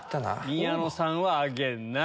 宮野さんは挙げない。